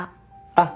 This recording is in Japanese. あっ！